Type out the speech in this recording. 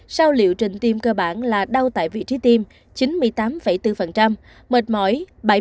sau liệu trình tiêm cơ bản là đau tại vị trí tiêm chín mươi tám bốn mệt mỏi bảy mươi ba một